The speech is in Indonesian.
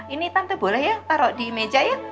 ini tante boleh ya taruh di meja ya